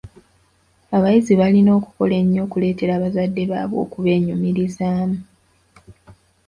Abayizi balina okukola ennyo okuleetera bazadde baabwe okubeenyumirizaamu.